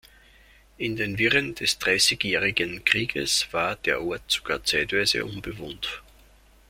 In den Wirren des Dreißigjährigen Krieges war der Ort sogar zeitweise unbewohnt.